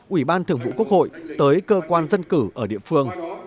ủy ban thường vụ quốc hội tới cơ quan dân cử ở địa phương